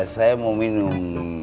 saya mau minum